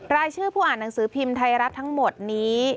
รายชื่อผู้อ่านหนังสือพิมพ์ไทยรัฐทั้งหมดนี้